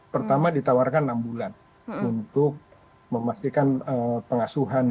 pertama ditawarkan enam bulan untuk memastikan pengasuhan